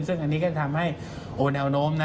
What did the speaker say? ซึ่งอันนี้ก็จะทำให้โอนแนวโน้มนะ